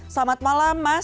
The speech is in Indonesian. selamat malam mas